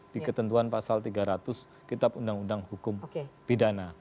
di ketentuan pasal tiga ratus kitab undang undang hukum pidana